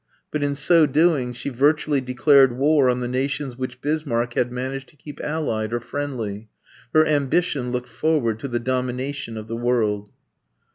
But in so doing she virtually declared war on the nations which Bismarck had managed to keep allied or friendly. Her ambition looked forward to the domination of the world.